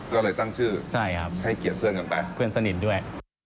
ก็เลยตั้งชื่อใช่ครับให้เกียรติเพื่อนกันไปเพื่อนสนิทด้วย